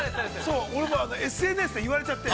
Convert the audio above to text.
俺もＳＮＳで言われちゃって。